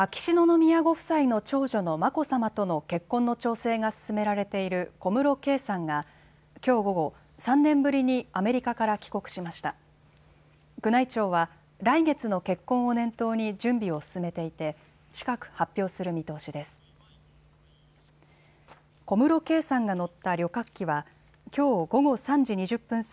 宮内庁は来月の結婚を念頭に準備を進めていて近く発表する見通しです。